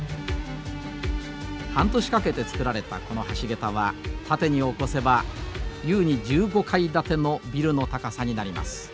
半年かけてつくられたこの橋桁は縦に起こせば優に１５階建てのビルの高さになります。